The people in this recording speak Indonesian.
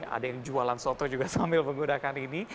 ada yang jualan soto juga sambil menggunakan ini